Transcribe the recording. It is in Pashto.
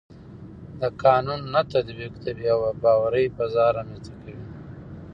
د قانون نه تطبیق د بې باورۍ فضا رامنځته کوي